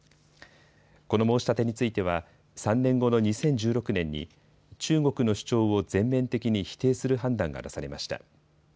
この申し立てについては３年後の２０１６年に中国の主張を全面的に否定する判断が出されました。